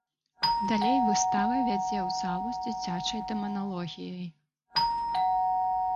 Далей выстава вядзе ў залу з дзіцячай дэманалогіяй.